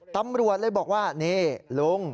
ตำรวจเลยบอกว่านี่ลุง